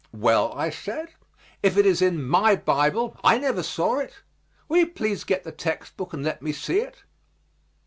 "Well," I said, "if it is in my Bible, I never saw it. Will you please get the text book and let me see it?"